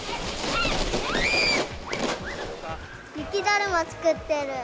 雪だるま作ってる。